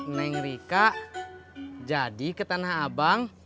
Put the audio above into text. neng rika jadi ke tanah abang